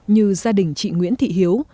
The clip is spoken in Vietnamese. như gia đình chị nguyễn thị hiếu